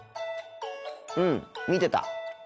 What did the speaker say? うん見てた。